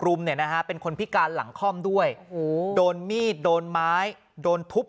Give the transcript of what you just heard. รุมเนี่ยนะฮะเป็นคนพิการหลังคล่อมด้วยโดนมีดโดนไม้โดนทุบ